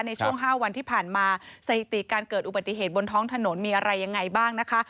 ในช่วง๕วันที่ผ่านมาสถิติการเกิดอุบัติเหตุบนท้องถนนมีอะไรยังไงบ้างนะคะ